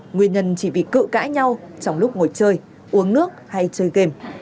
nguyên nhân chỉ vì cự cãi nhau trong lúc ngồi chơi uống nước hay chơi game